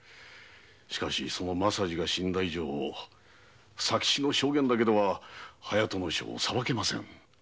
しかし政次が死んだ以上佐吉の証言だけでは隼人正を裁けませぬ。